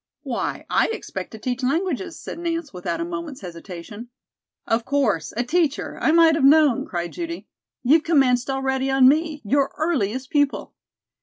"Why, I expect to teach languages," said Nance without a moment's hesitation. "Of course, a teacher. I might have known!" cried Judy. "You've commenced already on me your earliest pupil!